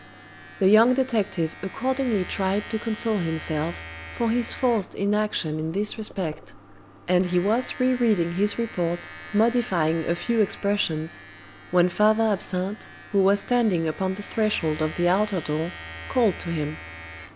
The young detective accordingly tried to console himself for his forced inaction in this respect, and he was rereading his report, modifying a few expressions, when Father Absinthe, who was standing upon the threshold of the outer door, called to him.